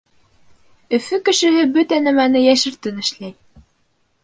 Өфө кешеһе бөтә нәмәне йәшертен эшләй.